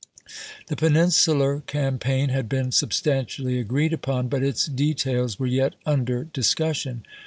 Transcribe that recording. The Pen insular Campaign had been substantially agi eed upon, but its details were yet under discussion.